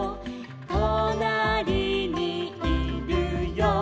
「となりにいるよ」